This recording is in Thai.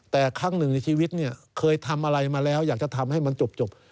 แต่ครั้งหนึ่งในชีวิตเนี่ยเคยทำอะไรมาแล้วอยากจะทำให้มันจบ